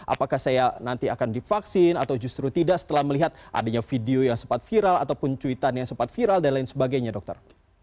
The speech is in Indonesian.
apakah saya nanti akan divaksin atau justru tidak setelah melihat adanya video yang sempat viral ataupun cuitan yang sempat viral dan lain sebagainya dokter